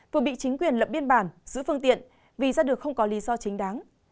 vừa bị chính quyền lập biên bản giữ phương tiện vì ra được không có lý do chính đáng